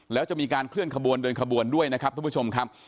แล้วจะมีการเคลื่อนขบวนเดินขบวนด้วยนะครับทุกผู้ชมครับ